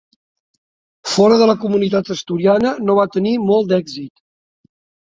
Fora de la comunitat asturiana no va tenir molt d'èxit.